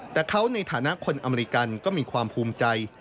แต่เขาในฐานะคนอเมริกันก็มีความภูมิใจ